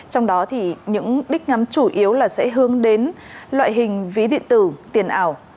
trong đó những đích ngắm chủ yếu sẽ hướng đến loại hình ví điện tử tiền ảo